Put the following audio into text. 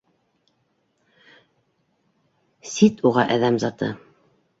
Сит уға әҙәм заты.